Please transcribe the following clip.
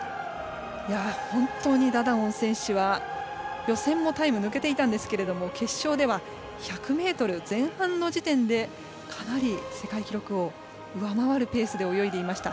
本当にダダオン選手は予選もタイム抜けてたんですけど決勝では１００ｍ前半の時点でかなり世界記録を上回るペースで泳いでいました。